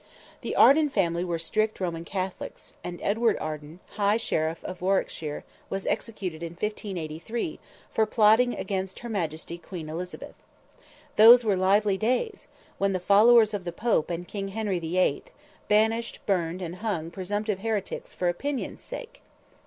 The Arden family were strict Roman Catholics; and Edward Arden, high sheriff of Warwickshire, was executed in 1583, for plotting against her majesty, Queen Elizabeth. Those were lively days, when the followers of the Pope and King Henry the Eighth, banished, burned and hung presumptive heretics for opinion's sake!